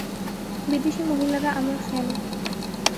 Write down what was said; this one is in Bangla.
বিদেশি মহিলারা আমার ফ্যান।